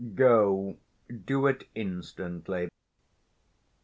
_ Go do it instantly.